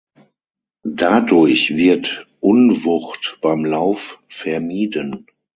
Dadurch wird Unwucht beim Lauf vermieden.